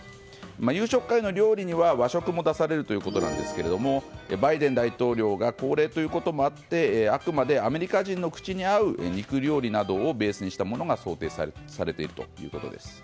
夕食会の料理には和食も出されるということですがバイデン大統領が高齢ということもあってあくまでアメリカ人の口に合う肉料理などをベースにしたものが想定されているということです。